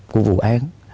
của vụ án